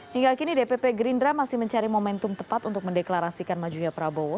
hingga kini dpp gerindra masih mencari momentum tepat untuk mendeklarasikan majunya prabowo